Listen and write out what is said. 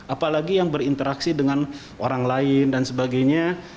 apalagi yang berinteraksi dengan orang lain dan sebagainya